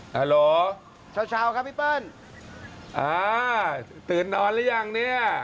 ฮัลโหลเช้าเช้าครับพี่เปิ้ลอ่าตื่นนอนหรือยังเนี่ย